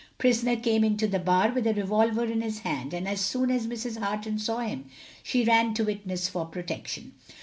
Prisoner came into the bar with a revolver in his hand, and as soon as Mrs. Harton saw him she ran to witness for protection.